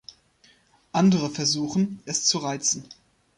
Andere versuchen, es zu reizen.